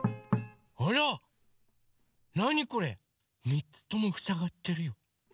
３つともふさがってるよ。